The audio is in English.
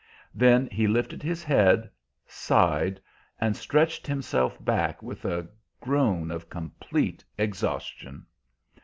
Then he lifted his head, sighed, and stretched himself back with a groan of complete exhaustion.